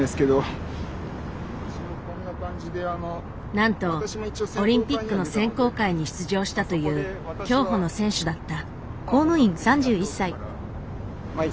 なんとオリンピックの選考会に出場したという競歩の選手だった。